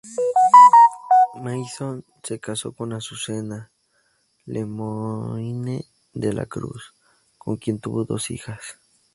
Masón, se casó con Azucena Lemoine de la Cruz, con quien tuvo dos hijas.